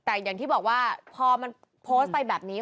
แต่อย่างที่บอกว่าพอมันโพสต์ไปแบบนี้